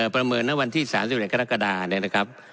ประเมินณวันที่๓๑กรกฎาเนี่ยนะครับ